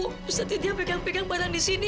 terus nanti dia pegang pegang barang di sini